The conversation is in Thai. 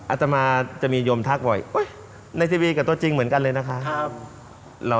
อาตมาจะมีโยมทักบ่อยในทีวีกับตัวจริงเหมือนกันเลยนะคะ